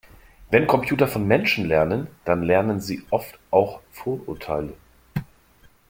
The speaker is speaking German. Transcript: Wenn Computer von Menschen lernen, dann lernen sie oft auch Vorurteile.